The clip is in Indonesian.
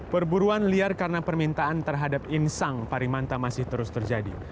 perburuan liar karena permintaan terhadap insang parimanta masih terus terjadi